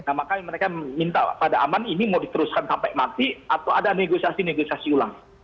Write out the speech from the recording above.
nah makanya mereka meminta pada aman ini mau diteruskan sampai mati atau ada negosiasi negosiasi ulang